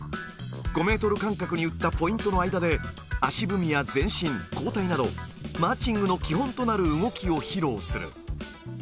５メートル間隔に打ったポイントの間で、足踏みや前進、後退など、マーチングの基本となる動きを披露する。